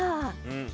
うん。